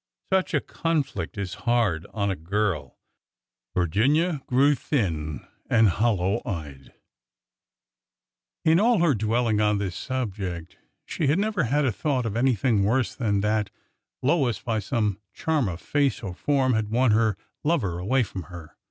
Such a conflict is hard on a girl. Virginia grew thin and hollow eyed. In all her dwelling on this subject, she had never had a thought of anything worse than that Lois, by some charm of face or form, had won her lover away from her.